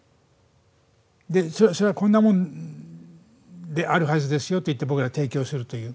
で、それはこんなもんであるはずですよと言って僕らが提供するという。